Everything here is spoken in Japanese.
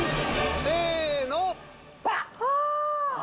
せの！